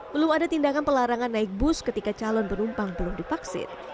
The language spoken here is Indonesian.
belum ada tindakan pelarangan naik bus ketika calon penumpang belum divaksin